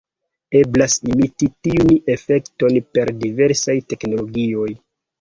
Eblas imiti tiun efekton per diversaj teknologioj.